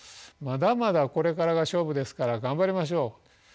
まだまだこれからが勝負ですから頑張りましょう」。